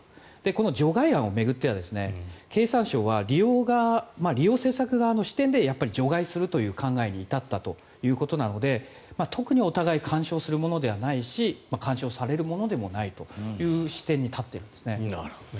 この除外案を巡っては経産省は利用政策側の視点で除外するという考えに至ったということなので特にお互い干渉するものではないし干渉されるものでもないという視点に立っているんですね。